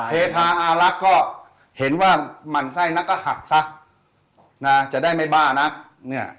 เทพาอารักษ์ก็เห็นว่าหมั่นไส้นักก็หักซะนะจะได้ไม่บ้านักเนี่ย